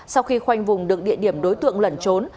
sau khi khoanh vùng được địa điểm đối tượng lẩn trốn